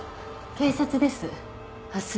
警察です。